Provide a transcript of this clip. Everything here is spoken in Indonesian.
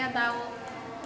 jadi kita akhirnya tahu